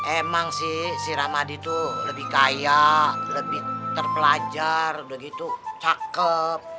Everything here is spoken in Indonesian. emang sih si ramadi tuh lebih kaya lebih terpelajar udah gitu cakep